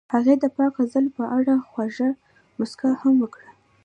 هغې د پاک غزل په اړه خوږه موسکا هم وکړه.